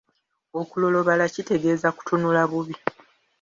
Okulolobala kitegeeza kutunula bubi.